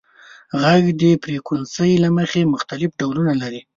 • ږغ د فریکونسۍ له مخې مختلف ډولونه لري.